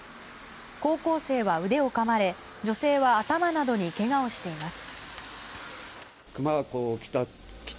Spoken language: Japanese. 高校生は腕をかまれ女性は頭などにけがをしています。